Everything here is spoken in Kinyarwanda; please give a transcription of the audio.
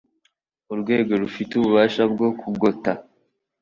Urwego rufite ububasha bwo kugota